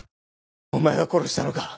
お前が殺したのか？